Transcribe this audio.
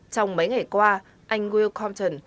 trong mấy ngày qua anh will compton